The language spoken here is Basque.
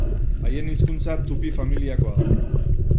Haien hizkuntza tupi familiakoa da.